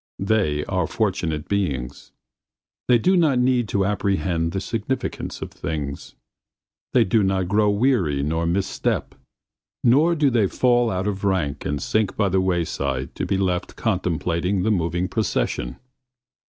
They are fortunate beings. They do not need to apprehend the significance of things. They do not grow weary nor miss step, nor do they fall out of rank and sink by the wayside to be left contemplating the moving procession.